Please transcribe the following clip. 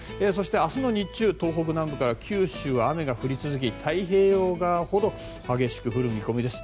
明日の日中東北南部から九州は雨が降り続き太平洋側ほど激しく降る見込みです。